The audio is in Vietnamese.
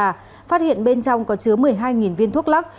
phát hiện bên trong có chứa một mươi hai viên thuốc lắc